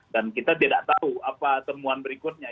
dan kita tidak tahu apa temuan berikutnya